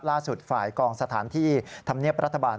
ล่าสุดฝ่ายกองสถานที่ธรรมเนียบรัฐบาล